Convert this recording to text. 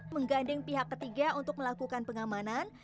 mengganding pihak ketiga untuk melakukan pengamanan